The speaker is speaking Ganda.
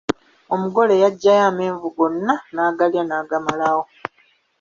Omugole yajjayo amenvu gonna n'agaalya n'agamalawo.